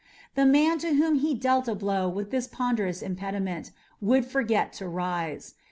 The man to whom he dealt a blow with this ponderous implement would forget to rise.